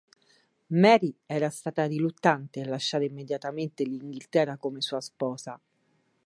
Mary era stata riluttante a lasciare immediatamente l'Inghilterra come sua sposa.